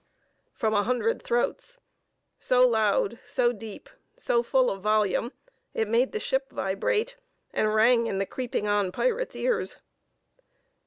from a hundred throats, so loud, so deep, so full of volume, it made the ship vibrate, and rang in the creeping on pirate's ears.